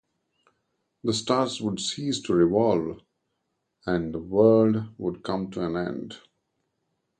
The stars would cease to revolve and the world would come to an end.